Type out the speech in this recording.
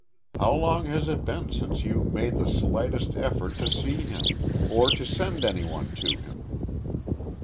How long has it been since you made the slightest effort to see him, or to send anyone to him?"